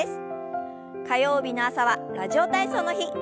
火曜日の朝は「ラジオ体操」の日。